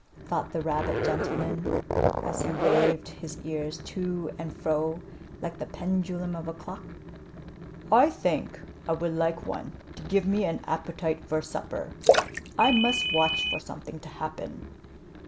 thought the rabbit gentleman as he waved his ears to and fro like the pendulum of a clock. "I think I would like one to give me an appetite for supper. I must watch for something to happen."